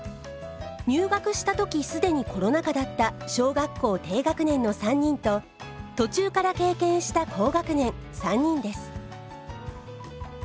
入学した時既にコロナ禍だった小学校低学年の３人と途中から経験した高学年３人です。